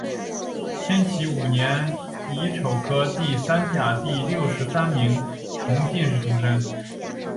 天启五年乙丑科第三甲第六十三名同进士出身。